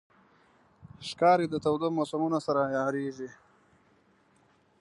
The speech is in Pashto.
ښکاري د تودو موسمونو سره عیارېږي.